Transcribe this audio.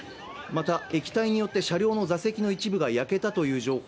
液体によって、車両の座席の一部が焼けたという情報。